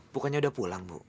bukannya udah pulang bu